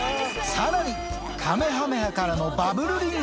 さらに、かめはめ波からのバブルリング。